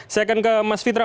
saya akan ke mas fitra